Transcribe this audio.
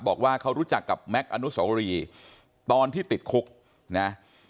บอกว่าเขารู้จักกับแม็กซ์อนุสวรีตอนที่ติดคุกนะ